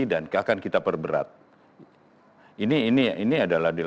dan akan kita perbuatan tidak pidana disitu